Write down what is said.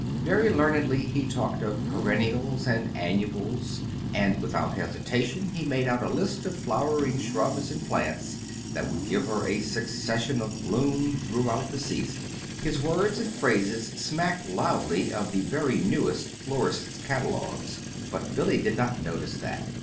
Very learnedly he talked of perennials and annuals; and without hesitation he made out a list of flowering shrubs and plants that would give her a "succession of bloom throughout the season." His words and phrases smacked loudly of the very newest florists' catalogues, but Billy did not notice that.